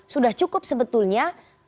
sudah cukup sebetulnya